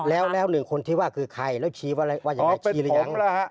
แล้วหนึ่งคนที่ว่าคือใครแล้วชี้ว่าอย่างนี้ขีดยัง